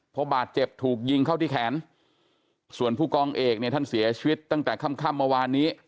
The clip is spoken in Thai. เพราะบาดเจ็บถูกยิงเข้าที่แขนส่วนผู้กองเอกเนี่ยท่านเสียชีวิตตั้งแต่ค่ำเมื่อวานนี้